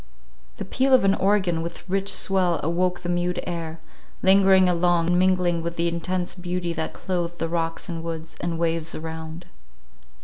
The peal of an organ with rich swell awoke the mute air, lingering along, and mingling with the intense beauty that clothed the rocks and woods, and waves around.